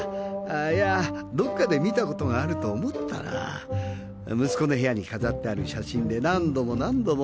いやぁどっかで見たことがあると思ったら息子の部屋に飾ってある写真で何度も何度も。